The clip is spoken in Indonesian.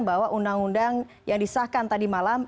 bahwa undang undang yang disahkan tadi malam